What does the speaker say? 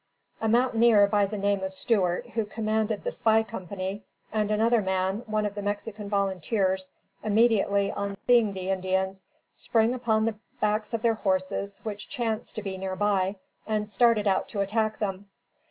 A mountaineer by the name of Stewart, who commanded the Spy company, and another man, one of the Mexican Volunteers, immediately on seeing the Indians, sprang upon the backs of their horses which chanced to be near by, and started out to attack them.